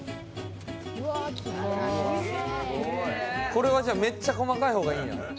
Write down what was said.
「これはじゃあめっちゃ細かい方がいいんや」